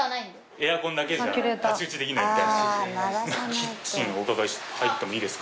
エアコンだけじゃ太刀打ちできないみたいな感じです。